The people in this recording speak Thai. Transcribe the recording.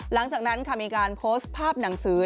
หลังจากนั้นค่ะมีการโพสต์ภาพหนังสือ